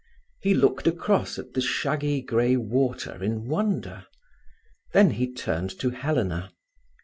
He looked across at the shaggy grey water in wonder. Then he turned to Helena.